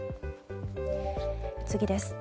次です。